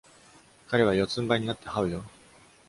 彼は四つんばいになって這うよ！